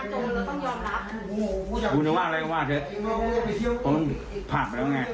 มันก็ผ่านไปแล้วไง